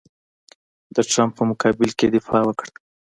د ټرمپ په مقابل کې یې دفاع وکړه.